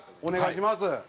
お願いします。